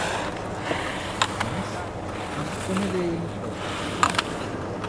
Además, dispone de helipuerto.